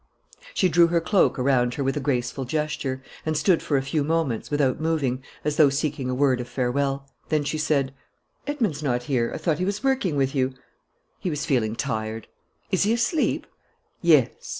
She drew her cloak around her with a graceful gesture, and stood for a few moments, without moving, as though seeking a word of farewell. Then she said: "Edmond's not here! I thought he was working with you?" "He was feeling tired." "Is he asleep?" "Yes."